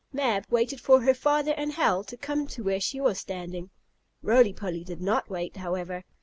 Mab waited for her father and Hal to come to where she was standing. Roly Poly did not wait, however.